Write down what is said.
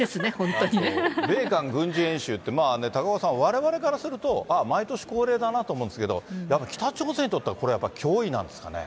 米韓軍事演習って高岡さん、われわれからすると、毎年恒例だなと思うんですけど、やっぱり北朝鮮にとってはこれ、やっぱり脅威なんですかね。